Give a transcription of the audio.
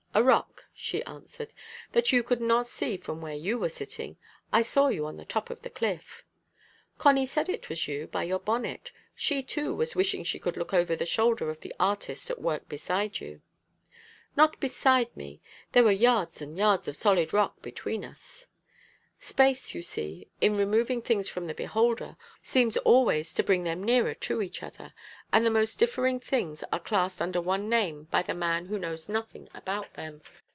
"A rock," she answered, "that you could not see from where you were sitting. I saw you on the top of the cliff." "Connie said it was you, by your bonnet. She, too, was wishing she could look over the shoulder of the artist at work beside you." "Not beside me. There were yards and yards of solid rock between us." "Space, you see, in removing things from the beholder, seems always to bring them nearer to each other, and the most differing things are classed under one name by the man who knows nothing about them.